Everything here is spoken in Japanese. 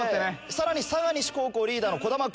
さらに佐賀西高校リーダーの兒玉君。